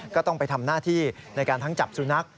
ก็ต้องไปทำหน้าที่ในการทั้งจับสุนัข